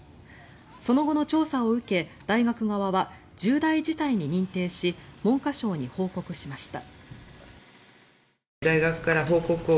その後の調査を受け大学側は重大事態に認定し文科省に報告しました。